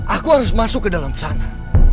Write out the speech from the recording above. aku harus masuk ke dalam sana